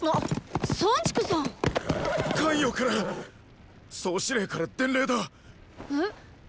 咸陽から総司令から伝令だ。え？